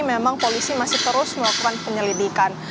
memang polisi masih terus melakukan penyelidikan